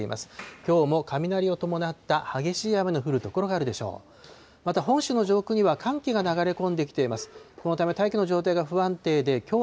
きょうも雷を伴った激しい雨の降る所があるでしょう。